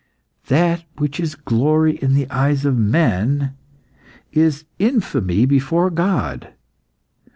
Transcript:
"That which is glory in the eyes of men, is infamy before God.